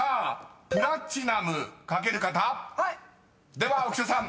［では浮所さん］